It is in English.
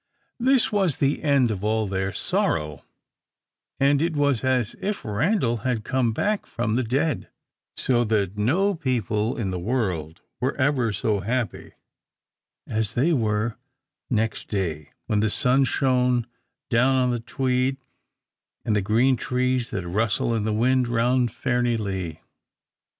This was the end of all their sorrow, and it was as if Randal had come back from the dead; so that no people in the world were ever so happy as they were next day, when the sun shone down on the Tweed and the green trees that rustle in the wind round Fairnilee.